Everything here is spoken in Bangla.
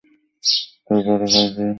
তার বড় ভাই জুলাই মাসে জন্মগ্রহণ করে।